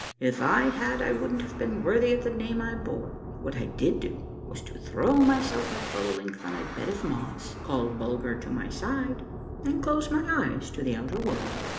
If I had I wouldn't have been worthy of the name I bore. What I did do was to throw myself at full length on a bed of moss, call Bulger to my side, and close my eyes to the outer world.